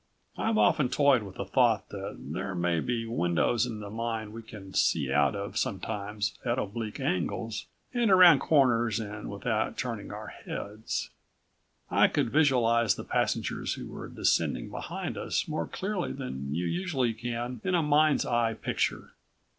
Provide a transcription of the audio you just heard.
I've often toyed with the thought that there may be windows in the mind we can see out of sometimes at oblique angles and around corners and without turning our heads. I could visualize the passengers who were descending behind us more clearly than you usually can in a mind's eye picture.